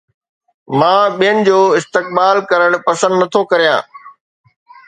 مان ٻين جو استقبال ڪرڻ پسند نٿو ڪريان